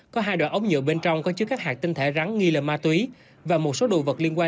có hai đoạn ống nhựa bên trong có chứa các hạt tinh thể rắn nghi là ma túy và một số đồ vật liên quan